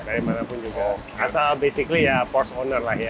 dari mana pun juga asal basically ya porsche owner lah ya